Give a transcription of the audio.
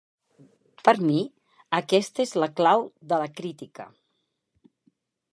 Per mi, aquesta és la clau de la crítica.